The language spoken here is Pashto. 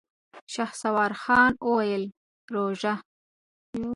شهسوار خان وويل: روژه؟!